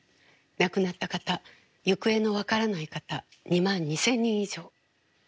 亡くなった方行方の分からない方２万２，０００人以上。